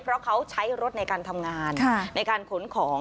เพราะเขาใช้รถในการทำงานในการขนของ